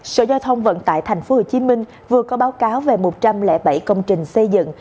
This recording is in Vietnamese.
sở giao thông vận tải tp hcm vừa có báo cáo về một trăm linh bảy công trình xây dựng